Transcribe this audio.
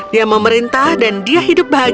dia belajar menerima kebenaran